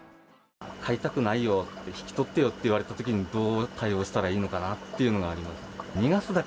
飼いたくないよって、引き取ってよって言われたときに、どう対応したらいいのかなっていうのがありますね。